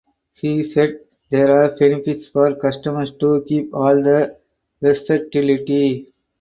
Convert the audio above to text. He said there are benefits for customers to keep all the versatility.